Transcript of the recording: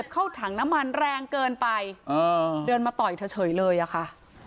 เข้าถังน้ำมันแรงเกินไปเดินมาต่อยเธอเฉยเลยอะค่ะ